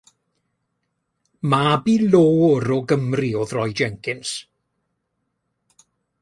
Mab i löwr o Gymru oedd Roy Jenkins.